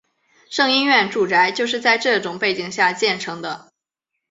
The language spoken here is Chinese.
胜因院住宅就是在这种背景下建成的。